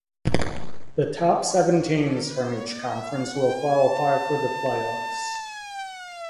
The top seven teams from each conference will qualify for the playoffs.